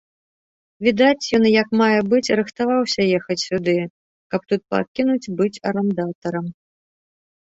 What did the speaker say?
Відаць, ён як мае быць рыхтаваўся ехаць сюды, каб тут пакінуць быць арандатарам.